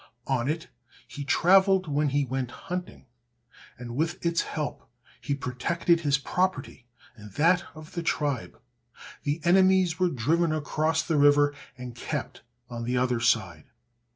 On it he traveled when he went hunting, and with its help he protected his property and that of the tribe. The enemies were driven across the river, and kept on the other side.